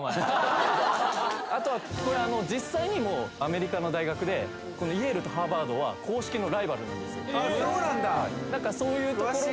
あとはこれ実際にアメリカの大学でこのイェールとハーバードは公式のライバルなんですよ・